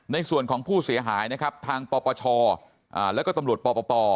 ในส่วนของผู้เสียหายนะครับทางปปชแล้วก็ตำรวจปป